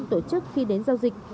tổ chức khi đến giao dịch